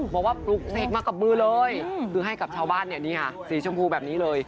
บอกว่าปลุกเสกมากับมือเลยคือให้กับชาวบ้านเนี่ยนี่ค่ะสีชมพูแบบนี้เลย